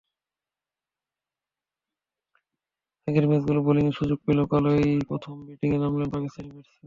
আগের ম্যাচগুলোয় বোলিংয়ের সুযোগ পেলেও কালই প্রথম ব্যাটিংয়ে নামলেন পাকিস্তানি ব্যাটসম্যান।